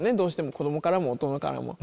子供からも大人からも。